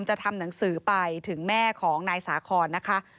จะทำหนังสือไปถึงแม่ของนายสาคอนนะคะ